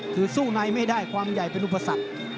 คือสู้ในไม่ได้ความใหญ่เป็นอุปสรรค